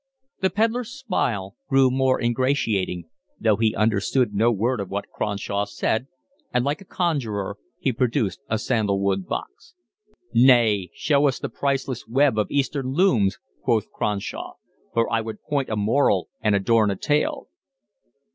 The pedlar's smile grew more ingratiating, though he understood no word of what Cronshaw said, and like a conjurer he produced a sandalwood box. "Nay, show us the priceless web of Eastern looms," quoth Cronshaw. "For I would point a moral and adorn a tale."